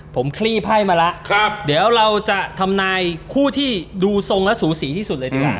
ผมคลี่ไพ่มาแล้วเดี๋ยวเราจะทำนายคู่ที่ดูทรงและสูสีที่สุดเลยดีกว่า